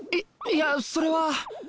いやそれは。